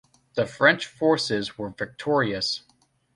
The French forces were victorious.